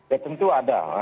ya tentu ada